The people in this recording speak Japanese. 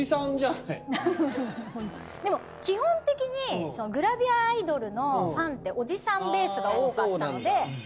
でも基本的にグラビアアイドルのファンっておじさんベースが多かったので。